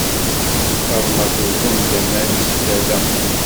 Faḍma tuggem-d aman si tala.